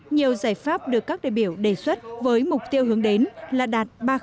nhiều giải pháp được các đại biểu đề xuất với mục tiêu hướng đến là đạt ba